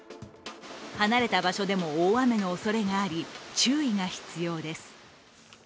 離れた場所でも大雨のおそれがあり、注意が必要です。